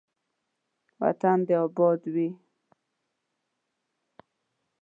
وطن دې اباد وي.